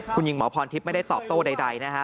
คุณหญิงหมอพรทิพย์ไม่ได้ตอบโต้ใดนะฮะ